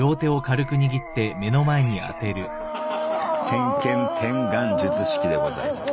先見天眼術式でございます。